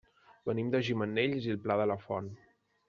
Venim de Gimenells i el Pla de la Font.